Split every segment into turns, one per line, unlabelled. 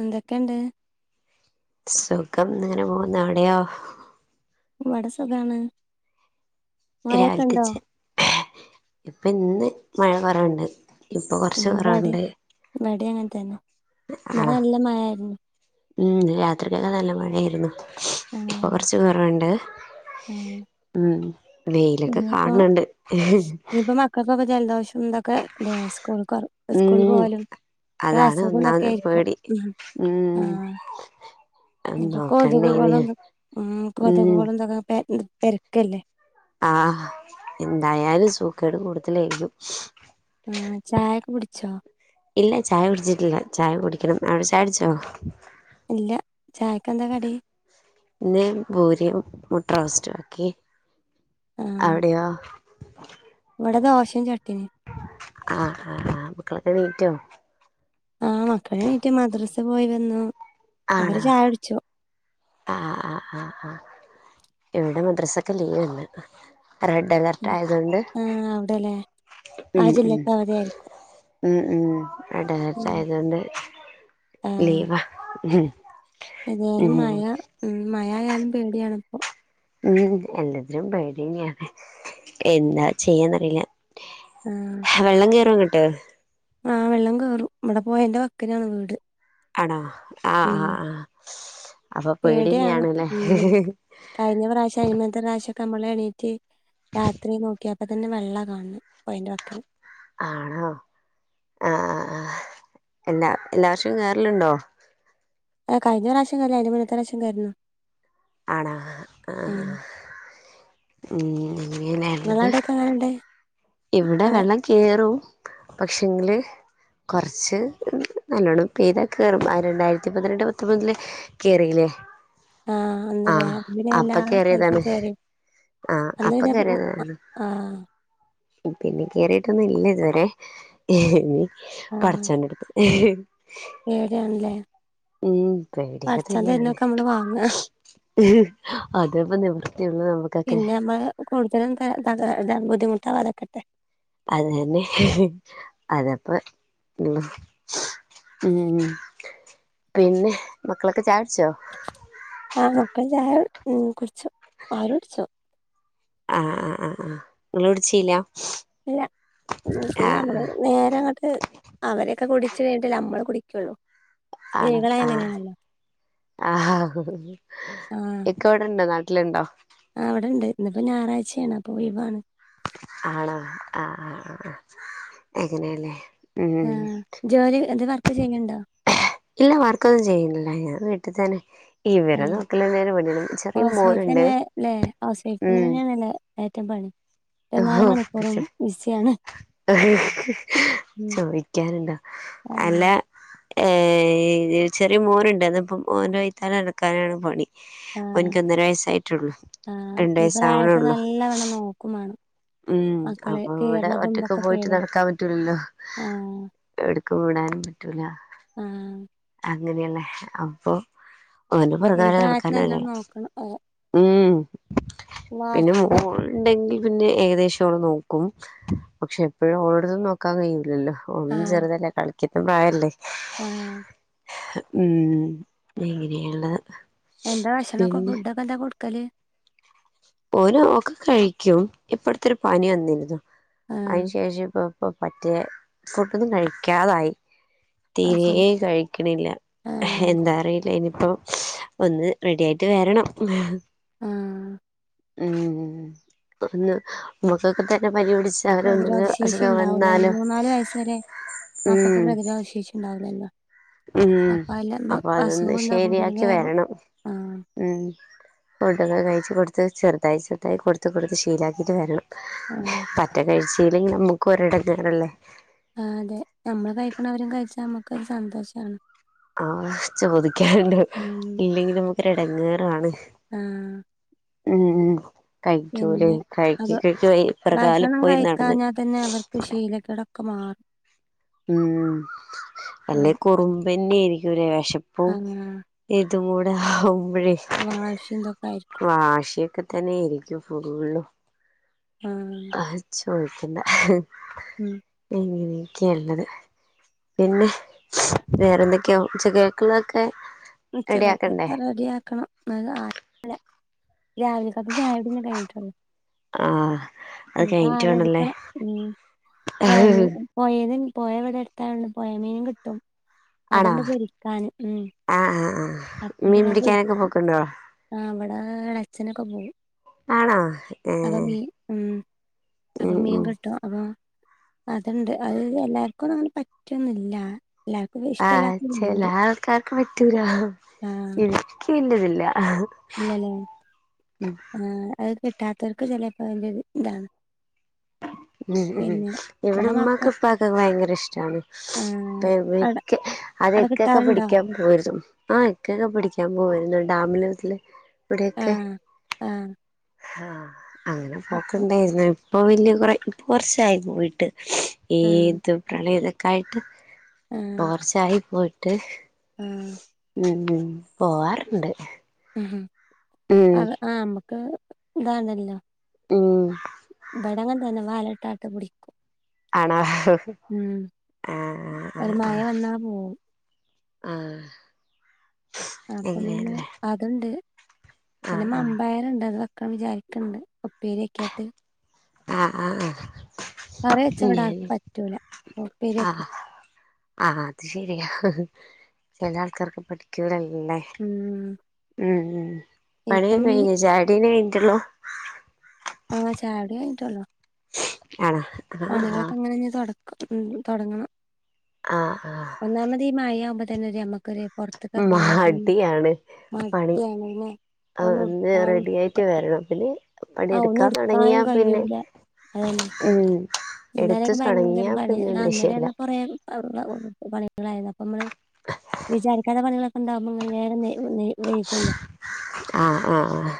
എന്തക്കെണ്ട്
സുഖം ഇങ്ങനെ പോവ്ന്ന് അവടയോ
ഇവട സുഖാണ് മഴൊക്കെ ഉണ്ടോ
രാവില്ത്തച്ച ഇപ്പ ഇന്ന് മഴ കൊറവ്ണ്ട്
ഉം ഇവടീം ഇവടീം അങ്ങൻത്തന്നെ ഇന്നല
ആണോ
നല്ല മഴയാര്ന്നു
ഉം രാത്രിക്കൊക്കെ നല്ല മഴയേര്ന്നു ഇപ്പൊ കൊറച്ച് കൊറവ്ണ്ട്
ഉം
ഉം വൈലൊക്ക ക്കാണ് ണ് ണ്ട്
ക്കൊക്കെ ജലദോഷംതൊക്കെ ല്ലേ സ്കൂള്ക്ക് സ്കൂള്
ഉം
പോവാല് രോ
അതാണ് ഒന്നാമത്
അസുഖംതൊക്കേരിക്കും
പേടി
ഉം
ഉം
ആഹ് ഇപ്പൊ കൊത്ക്കകൾ
നോക്കണ്ടേന്
എന്ത് ഉം കൊത്
ഉം
ക്ക്കൾ ന്തൊക്കേ പെ പെരക്കല്ലേ
ആഹ് എന്തായാലും സൂക്കേട് കൂടുതലേരിക്കും
ഉം ചായൊക്ക കുടിച്ചോ
ഇല്ല ചായ കുടിച്ചിട്ടില്ല ചായ കുടിക്കണം അവടെ ചായുടിച്ചോ
ഇല്ല ചായക്കെന്താ കടി
ഇന്ന് പൂരിം മുട്ട റോസ്റ്റും ആക്കി അവിടെയോ
ഇവടെ ദോശേം ചട്ട്ണീം
ആഹ് ആ ആ മക്കളൊക്കെ നീറ്റോ
ആഹ് മക്കളെണീറ്റ് മദ്രാസപോയി വന്നു അവര് ചായൊടിച്ചു.
ആ ആ ആ ആഹ് ഇവടെ മദ്രസൊക്കെ ലീവാന്ന് റെഡ് അലാർട്ടായതൊണ്ട്
ആഹ് അവിടെല്ലേ ആ
ഉം ഉം
ജില്ലക്ക് അവധിയായിരിക്കും
ഉം ഉം റെഡ്
ഉം
അലാർട്ടായതോണ്ട്
ആഹ്
ലീവാ ഉം
ഏതായാലും
ഉം
മഴ ഉം മയായാലും പേടിയാണിപ്പൊ
ഉം എല്ലത്തിനും പേടി എന്നേണ് എന്താ ചെയ്യാന്നറിയില
ആഹ്
വെള്ളം കയറോ അങ്ങട്ട്
ആ വെള്ളം കേറും ഇവടെ പൊയന്റെ വക്കിലാണ് വീട്
ആണോ ആഹ്
ഉം
ആഹ് ആഹ് അപ്പൊ
പേടിയാണ്
പേടിന്നെയാണ്ല്ലേ
ഉം കഴിഞ്ഞ പ്രാവശ്യം അയ്ന്റെ മുന്നത്തെ പ്രാവശ്യം അമ്മള് എണീറ്റ് രാത്രി നോക്ക്യാപ്പതന്നെ വെള്ളാ കാണ് ണത് പൊഴന്റെവക്ക്
ആണോ ആ അഹ് എല്ലാവർഷോം കേറലുണ്ടൊ
ആ കയ്ഞ്ഞറാശ്യം കേറി അയ്‌ന്റെ മുന്നത്തറാശ്യാം കേറിനി
ആണോ ആഹ് ഉം
നിങ്ങളെ
ഇങ്ങനാള്ളത്
അവിടെയൊക്കെ എങ്ങനെണ്ട്
ഇവടെ
മഴ
വെള്ളം കേറും പക്ഷെങ്കില് കൊറച്ച് നല്ലോണ്ണംപെയ്തക്കേറും രണ്ടായിരത്തി പതിനെട്ട് പത്തൊമ്പതില് കേറിലെ
ആഹ് അന്ന്ലേ
ആഹ്
അന്ന് പിന്നെ എല്ലാ സ്ഥലത്തും
അപ്പകേറീതാണ്
കേറി
ആഹ്
അന്ന്
അപ്പ
പിന്നെ ഉം
കേറീതാണ്
ആഹ്
പിന്നെ കേറീട്ടൊന്നില്ല ഇത് വരെ ഇനി പടചോന്റെട്ത്ത് ആ
പേടിയാണ്ലെ
ഉം പേടിയൊക്കെ തന്നെയാണ്
നമ്മള് വാങ്ങാ
ഉം അതെപ്പൊ നിവൃത്തിയൊള്ളൂ നമ്മക്കൊക്കെ
കൂടുതൽ എന്താ ഇത് ബുദ്ധിമുട്ടാവാതിരിക്കട്ടെ
അതന്നെ അതപ്പ ഉം ഉം പിന്നെ മക്കളൊക്കെ ചായ കുടിച്ചോ
ആഹ് മക്കള് ഉം കുടിച്ചു അവടെ കുടിച്ചോ
ആഹ് ആഹ് ആഹ് ആഹ് നിങ്ങള് കുടിച്ചില്ലാ
ഇല്ല ഇ നമ്മള് നേര അങ്ങോട്ട് അവരൊക്കെ കുടിച്ച് കഴിഞ്ഞിട്ടേ നമ്മള് കുടിക്കുള്ളൂ
ആണ്
സ്ത്രീകളായ
ആഹ്
അങ്ങനെയാണല്ലോ
ആഹ് ഇക്ക ഇവിടെണ്ടോ നാട്ടിലുണ്ടോ
ആഹ് ഇവിടെണ്ട് ഇന്നിപ്പോ ഞായറാഴ്ചയാണ് അപ്പോ ഒഴിവാണ്
ആണോ ആഹ് ആഹ് ആഹ് എങ്ങനെയല്ലേ ഉം
ആഹ് ജോലി എന്ത് വർക്ക് ചെയ്യണ്ടോ
ഇല്ല വർക്കൊന്നും ചെയ്യുന്നില്ല ഞാൻ വീട്ടിൽ തന്നെ ഇവരെ
ആഹ്
നോക്കലന്നേണ് പണി ചെറിയ
ഹൗസ്
മോനുണ്ട്
വൈഫന്നെ
ഉം
ഏറ്റം പണി ഇര്പത്തി നാല് മണിക്കൂറും ബിസിയാണ് ഉം
ചോദിക്കാനുണ്ടോ അല്ല
ആഹ്
ഏഹ് ചെറിയ മോനുണ്ട് ഇന്ന്പ്പം മോന്റെ വൈത്താലെ നടക്കാനാണ് പണി
ആഹ്
ഓൻക്ക് ഒന്നര വയസായിട്ടോള്ളു രണ്ട് വയസാവ്ണെ ഒള്ളു
ക്കു മാണം
ഉം അപ്പൊ ഇവടെ ഒറ്റക്ക്
ഒക്കെ
പോയിട്ട്
പേടിയാണ്
നടക്കാൻ പറ്റൂലല്ലോ
ആഹ്
എട്ക്ക് വിടാനും പറ്റൂല
ആഹ്
അങ്ങനെല്ലേ അപ്പൊ ഓന്റെ
ഈ
പിറക്കെ നടക്കാന് ഒരാള്
പ്രായത്തിനെല്ലാം നോക്കണം ഓ
ഉം പിന്നെ
വാക്ക
ഓള്ണ്ടെങ്കി പിന്നെ ഏകദേശം ഓള് നോക്കും പക്ഷെ എപ്പഴും ഓള്ട്ത്തും നോക്കാൻ കഴിയൂല്ലല്ലോ ഓളും
ആഹ്
ചെറുതല്ലേ കളിക്ക്ന്നെ പ്രായല്ലേ
ആഹ്
ഉം എങ്ങനെണ്
എന്താ ഭക്ഷണം ഫുഡൊക്കെ എന്താ കൊടുക്കല്?
ഓല് ഒക്കെ കഴിക്കും ഇപ്പട്ത്ത് ഒരു പനി വന്നിരുന്നു
ആഹ്
അതിന് ശേഷം ഇപ്പം പ്പ പറ്റേ ഫുഡോന്നും കഴിക്കാതായി
അത്
തീരെ
ശരി
കഴിക്ണില്ല
ആഹ്
എന്താ അറിയില്ല ഇനിയിപ്പം ഒന്ന് റെഡി ആയിട്ട് വരണം
ആഹ്
ഉം ഒന്ന് മക്കൊക്കെ തന്നെ പനി പിടിച്ച്
പ്രതിരോധ ശേഷി ഇണ്ടാവൂല രണ്ട്, മൂന്നാല് വയസ്സ് വരെ മക്കക്ക്
ഉം
പ്രതിരോധ ശേഷി ണ്ടാവുല്ലല്ലോ
ഉം അപ്പൊ അതൊന്ന്
ഇതാകും പിന്നെ
ശെരിയാക്കി
വേഗം
വരണം
ആഹ്
ഉം ഫുഡോക്കെ കഴിച്ച് കൊടുത്ത് ചെർതായി ചെർതായി കൊടുത്ത് കൊടുത്ത് ഷീലാക്കിട്ട് വരണം
ഏഹ്
ഒറ്റ കാഴ്ച്ചില് നമ്മക്ക് ഒരടങ്ങാറെല്ലേ
ആഹ് അതെ നമ്മള് കഴിക്ണത് അവരും കഴിച്ചാ നമുക്കൊരു സന്തോഷാണ്
ആഹ് ചോദിക്കാന്ണ്ടോ
ഉം
ഇല്ലെങ്കി നമുക്കൊരു എടങ്ങേറാണ്
ആഹ്
ഏഹ് കഴിച്ചുലേ
പിന്നെ
കഴിച്ച്
അത്
കഴിച്ച് ഇത്തറകാലം
ഭക്ഷണം
പോയി നടന്ന്
ക്കെ മാ
ഉം അല്ലേ കുറുമ്പന്നെനി ക്ക് ലേശം പ്പോ
ആഹ്
ഇതും കൂടെ ആവുമ്പയെ
വാഷിംന്തൊക്കെ ആയിരിക്കും
വാഷിയൊക്കെ തന്നെ ആയിരിക്കും ഫുള്ള്
ആഹ്
അഹ് ചോയ്ക്കണ്ട
ഉം
ഇങ്ങനെക്കെ ഇള്ളത് പിന്നെ വേറെന്തൊ ക്ക്യോ ഉച്ചകക്ക്ള്ളെക്കെ
ഉച്ചകക്ക് റെഡി ആക്കണം [unintelligible] രാവിലെക്കൊത്തെ ചായംടിന്നെ കഴിഞ്ഞിട്ടുള്ളൂ
ആഹ് അത്
ഞ്പ്പോ
കഴിഞ്ഞിട്ട് വേണല്ലേ
ആലോജിക്കണം ഉം പോയ മീൻ പോയെത് പോയ ഇവടെ അടുത്തായൊണ്ട് പോയ മീനും കിട്ടും അത്ണ്ട് പൊരിക്കാന് ഉം
ആ, ആ, ആ.
അപ്പം
മീൻ
പിന്നെ അത് പൊരി
പിടിക്കാനൊക്കെ പൊക്കു ണ്ടോ?
ആ, അവിടെ അച്ഛനൊക്കെ പോകും.
ആണോ ഏഹ്
അപ്പൊീ ഉ [unintelligible] അപ്പോ
ഉം
മീൻ
ഉം
കിട്ടി അപ്പോ അത്ണ്ട്, അത് എല്ലാർക്കുംന്നും അങ്ങനെ പറ്റുന്നുഇ ല്ല. എല്ലാർക്കും ഇഷ്ടല്ലാത്തതുണ്ട്.
ഇക്കാക്ക് പറ്റൂല. എനിക്ക് പിന്നേ ഇതില്ല.
ഇന്നലെ ആ, അത് കിട്ടാത്തവർക്ക് ചിലപ്പോ അതിന്റെ ഒരു ഇതാണ്.
ഉം, ഉം,
പിന്നെ
ഇവിടെ
മക്ക
ഉമ്മക്കും ഇപ്പക്കും അത് ഭയങ്കര ഇഷ്ടാണ്.
ആഹ് അട
ക്ക്െ [unintelligible] അത്
അട
ഇക്ക ഒക്കെ
കിട്ടാറുണ്ടോ
പിടിക്കാൻ പോയിരുന്നു. ആ, ഇക്ക ഒക്കെ പിടിക്കാൻ പോയിരുന്നു ഡാമിലതില് ഇവിടെയൊക്കെ
ആ,
ആ, അങ്ങനെ പോക്കണ്ടായിരുന്നു. ഇപ്പോ വലിയ കുറെ ഇപ്പ കുറച്ചായി പോയിട്ട്. ഈ,
ആഹ്
ഇത് പ്രണയ ഇതൊക്കായിട്ട് മോർച്ചയായി പോയിട്ട് [unintelligible]
ആം.
ഉം, പോവാറുണ്ട്.
ഉം,
ഉം
ആ, അമ്മക്ക് ഇതാണല്ലോ.
ഉം.
വെടങ്ങൻ തന്നെ വലട്ടാട്ട് പിടിക്കും [unintelligible]
ആണോ,
ഉം
ആ, ആ,
ഒരു
ആ.
മഴ വന്നാ പോവും
ആ.
അപ്പോ പിന്നെ അതുണ്ട് പിന്നെ
ആഹ്
മമ്പയർണ്ട് അത് വെക്കൻ വിചാരിക്ക ണ്ട് ഉപെരികയിട്ടു.
അ, അ, അ.
കറി വെച്ചവിടർ ക്കും പറ്റൂല. അപ്പോ ഉപ്പേരി വെയ്ക്കും.
ആ, അത് ശരിയാ. ചില ആൾക്കാർക്ക് പിടികൂലല്ലേ.
ഉം
ഉം.
ഇപ്പം
പണിയക്കെ
മീ
കഴിഞ്ഞുയോ? ചായാ കുടിന്നേ കഴിഞ്ഞിട്ടുള്ളു.
ആങ്ങ ചായ കുടി കൈഞ്ഞിട്ടുയുള്ളു.
അണോ.
പണികളൊക്കെ ഇങ്ങനെ തൊടങ്ങണം.
ആ, ആ.
ഒന്നാമത് ഈ മഴയാവുമ്പോ തന്നെ ഒരു നമുക്കൊര് പുറത്തേക്ക് ഇറങ്ങാൻ
മടിയാണ്
മടിയാണ് പിന്നെ.
ആ, ഒന്ന് റെഡി ആയിട്ട് വരണം. പിന്നെ
ആ, ഒന്നും
പണിയെടുക്കാൻ
എടുക്കാനും
തുടങ്ങിയാ പിന്നെ
കഴൂല. അതന്നെ,
ഉം എടുത്ത്
ഇന്നലെയൊക്കെ ഭയങ്കര
തുടങ്ങിയാ പിന്നെ
പണിയെന്നും, അ ഇന്നലെ
ലക്ഷ്യല്ല
ഞ്ഞങ്ങൾ കൊറെ [unintelligible] പണികളായത് അപ്പോ നമ്മൾ വിചാരിക്കാത്ത പണികളോ ഇണ്ടാവുമ്പോൾ നേരം വെകോലോ
ആ, ആ, ആ,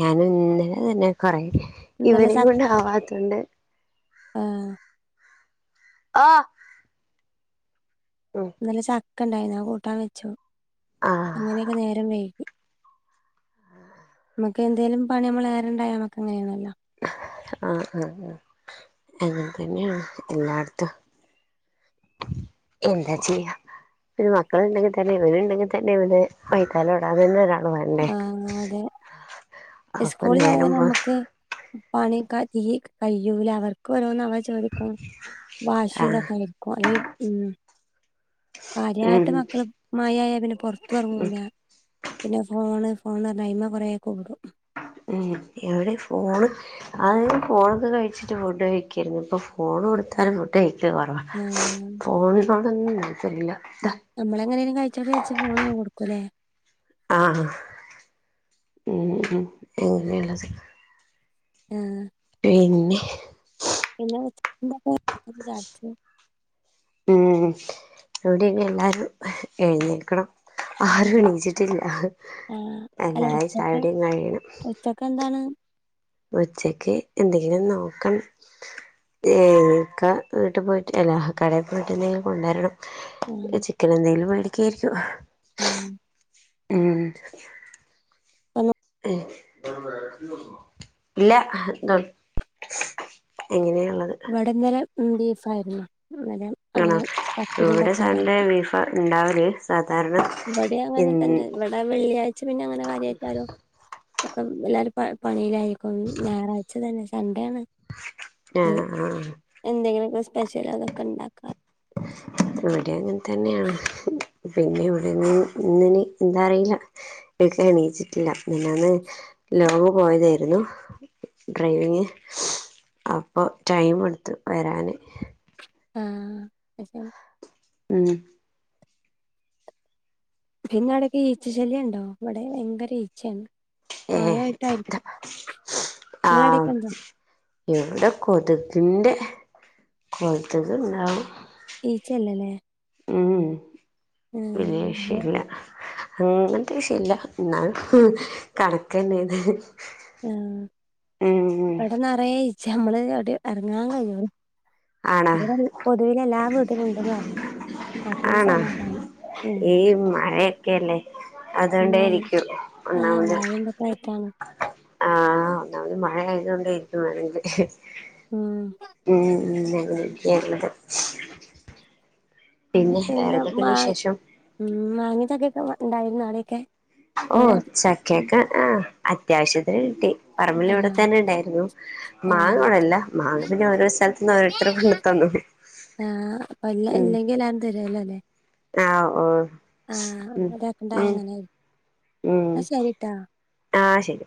ഞാൻ ഇന്നലെ തന്നെ കൊറെ
ഇന്നലെ ച
ഇവരേം കൊണ്ട് അവതോണ്ട്.
ആ
ആ. ഉം.
ഇന്നലെ ചക്ക ഉണ്ടയിനു അത് കൂട്ടാൻ വെച്ചു.
ആഹ്
അങ്ങനെയൊക്കെ നേരം വൈകി. നമ്മുക്ക് എന്തേലും പണി, മ്മളെ ഏറെഉണ്ടായാൽ നമ്മക് അങ്ങനെ ആണല്ലോ.
ഹ് ആ, ആ, ആ. അങ്ങനെ തന്നെയാ എല്ലാട്ത്തും. എന്താ ചെയ്യാ? പിന്നെ മക്കള്ണ്ടെങ്കി തന്നെ ഇവര് ഇണ്ടെങ്കി തന്നെ ഇവലെ [unintelligible]
ആഹ് അതെ
അപ്പൊ
ഇസ്കൂളിലായ
നേരം പോ
ഞമ്മക്ക് പണിയൊക്ക ഇയ്യ്‌ കഴിയൂല അവർക്ക് ഓരോന്ന് അവർ ചോദിക്കും വാശി
ആഹ്
ഇതൊക്കെ ആയിരിക്കും ഏഹ് മ്ഹ് കാര്യായിട്ട്
ഉം
മക്കള് മയയായ പിന്നെ പൊറത്തും എറങ്ങൂല പിന്നെ ഫോണ് ഫോണ് പറഞ്ഞു അയിമ്മേ പൊറകെ കൂടും
ഉം എവിടെ ഫോണ് അയ് ഫോണൊക്കെ കഴിച്ചിട്ട് ഫുഡ് കഴിക്കേര്ന്നു ഇപ്പൊ ഫോണ് കൊടുത്താലും ടേസ്റ്റ്
ആഹ്
കൊറവാ [unintelligible] ദാ
നമ്മളെങ്ങനേലും കഴിച്ചോട്ടെ വെച്ച് ഫോണങ്ങ് കൊടുക്കും ല്ലേ
ആഹ് മ്ഹ് [unintelligible]
ഏഹ്
പിന്നെ
പിന്നെ [unintelligible]
ഉം ഇവിടെ ഇനി എല്ലാരും എഴ്ന്നേൽക്കണം. ആരും എണീച്ചിട്ടില്ല
ആഹ് അല്ല
എല്ലാരേം ചായ
ഉച്ചക്ക്
കുടീം കഴിയണം.
[unintelligible]
ഉച്ചക്ക് എന്തെങ്കിലും നോക്കണം. [unintelligible] വീട്ടി പോയിട്ട് അല്ല കടേ പോയിട്ട് എന്തെങ്കിലും കൊണ്ട് വരണം.
ആഹ്
ചിക്കൻ എന്തെങ്കിലും മേടിക്കുവാരിക്കും
ആഹ്
മ്ഹ്
[unintelligible]
ഏഹ് ഇല്ല ത് ഇങ്ങനേള്ളത്.
ഇവിടെന്നലെ ബീഫായിരുന്നു ഇന്നലെ
ആണോ
അങ്ങനെ പത്തിരിയും
ഇവ്ടെ
ഇതൊക്കെ
സൺ‌ഡേ ബീഫാ ഇണ്ടാവല്
ഇവടേം അങ്ങനെ തന്നെ ഇവടെ വെള്ളിയാഴ്ച്ച പിന്നെ അങ്ങനെ കാര്യായിട്ട് ആരും അപ്പം എല്ലാരും പ പണിയിലായിരിക്കും ഞായറാഴ്ച തന്നെ സൺഡേ ആണ്
ഏഹ് ആഹ്
എന്തെങ്കിലൊക്കെ സ്പെഷ്യൽ അതൊക്കെ ഇണ്ടാക്കാ
ഇവിടേം അങ്ങനെ തന്നെയാണ്. പിന്നെ ഇവിടെ ഇനി ഇന്നിനി എന്താ അറിയില്ല ഇല്ല എണീച്ചിട്ട്ല്ല മിനിഞ്ഞാന്ന് ലോങ്ങ് പോയതായിര്ന്നു. ഡ്രൈവിങ് അപ്പൊ ടൈം എട്ത്ത് വരാന്
ആഹ് [unintelligible]
മ്ഹ്
പിന്നെ ആടേക്ക ഈച്ച ശല്യണ്ടോ ഇവിടെ ഭയങ്കര ഈച്ചേണ്
ഏഹ് ആഹ്
നിങ്ങളടൊക്കെ ഉണ്ടോ
ഇവിട കൊതുകിന്റെ കൊതുക്ണ്ടാ
ഈച്ച അല്ലല്ലേ?
മ്ഹ്
ആഹ്
[unintelligible] അങ്ങനത്തെ വിഷയല്ല എന്നാലും ഉം കണക്കന്നെ അത്.
ആഹ് ഇവ്ടെ നെറയെ ഈച്ചയാ അമ്മള് എവ്ടെയും എറങ്ങാ കയ്യൂ
ആണോ
[unintelligible] പൊതുവിൽ എല്ലാ വീട്ടിലു ണ്ട്ന്ന് അർണ്.
ആണോ
ഉം
ഈ മഴയൊക്കെല്ലേ.?
മഴ
അതോണ്ടായിരിക്കും.
ആഹ് മഴ
ഒന്നാമത്-
എന്തൊക്കെ ആയിട്ടാണ്
ആഹ. ഒന്നാമത് മഴ ആയതുകൊണ്ടായിരിക്കും വേണെങ്കി.
ഉം
ഉം [unintelligible]
പിന്നെ മാ
വേറെന്തൊക്കെണ്ട് വിശേഷം
ഉം. മാങ്ങ, ചക്കെക്കെ ഉണ്ടായിരുന്നോ ആടെക്കെ?
ഓ ചക്കക്കെ ആ അത്യാവശ്യത്തിന് കിട്ടി. പറമ്പില് ഇവിടെ
ആഹ്
തന്നെ ഉണ്ടായിരുന്നു.
ആഹ്
മാങ്ങവടല്ല. മാങ്ങ പിന്നെ ഓരോ സ്ഥലത്ത- ഓരോരുത്തരും കൊണ്ട് തന്നു
ആഹ്. അപ്പ ല്ല
ഉം
ഇല്ലെങ്കി എല്ലാരും തരോല്ലലെ.
ആഹ് ഓ
ആഹ.
ഉം
അതക്കെണ്ടായ
ഉം
അങ്ങനെ.
ഉം. ആഹ ശരി